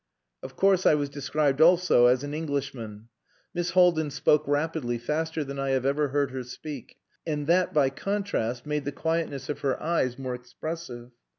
Of course I was described also as an Englishman. Miss Haldin spoke rapidly, faster than I have ever heard her speak, and that by contrast made the quietness of her eyes more expressive.